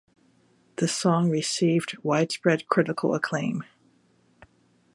The song received widespread critical acclaim.